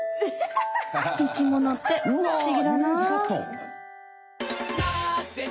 生きものってふしぎだなあ。